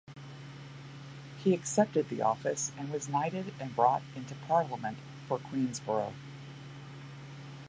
He accepted the office, and was knighted and brought into parliament for Queenborough.